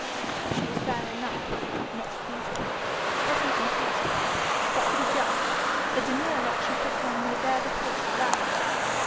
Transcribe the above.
'She is fair enough not beautiful, not even pleasing; but, to be just, the demure look she puts on may bear the fault of that.